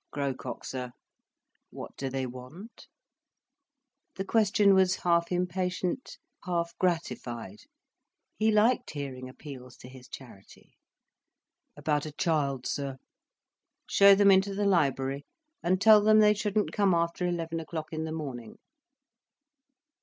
"Grocock, sir." "What do they want?" The question was half impatient, half gratified. He liked hearing appeals to his charity. "About a child, sir." "Show them into the library, and tell them they shouldn't come after eleven o'clock in the morning."